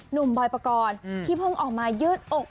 บอยปกรณ์ที่เพิ่งออกมายืดอก